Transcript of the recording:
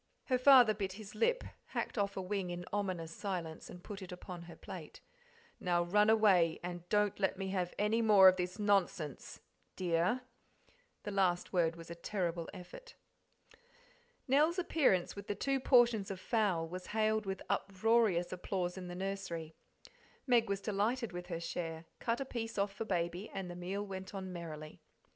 Her father bit his lip, hacked off a wing in ominous silence, and put it upon her plate. "Now run away, and don't let me have any more of this nonsense, dear." The last word was a terrible effort. Nell's appearance with the two portions of fowl was hailed with uproarious applause in the nursery; Meg was delighted with her share; cut a piece off for Baby, and the meal went on merrily.